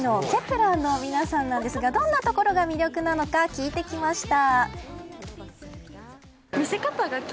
１ｅｒの皆さんですがどんなところが魅力なのか聞いてきました。